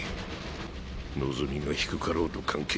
望みが低かろうと関係ない。